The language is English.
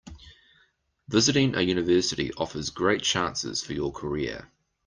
Visiting a university offers great chances for your career.